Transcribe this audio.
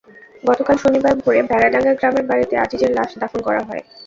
গতকাল শনিবার ভোরে বেড়াডাঙ্গা গ্রামের বাড়িতে আজিজের লাশ দাফন করা হয়।